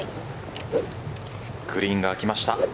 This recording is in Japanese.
グリーンが空きました。